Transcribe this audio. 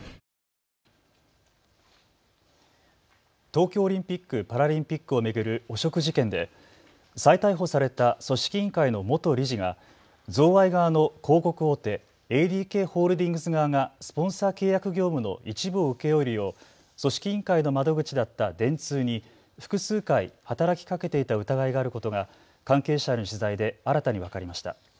東京オリンピック・パラリンピックを巡る汚職事件で再逮捕された組織委員会の元理事が贈賄側の広告大手、ＡＤＫホールディングス側がスポンサー契約業務の一部を請け負えるよう組織委員会の窓口だった電通に複数回働きかけていた疑いがあることが関係者への取材で新たに分かりました。